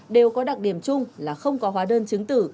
đều có đặc điểm chung là không có hóa đơn chứng tử